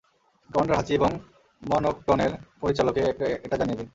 Commander হাচি এবং মনক্টনের পরিচালকে এটা জানিয়ে দিন।